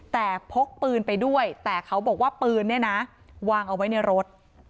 แต่พกปืนไปด้วยแต่เขาบอกว่าปืนเนี่ยนะวางเอาไว้ในรถ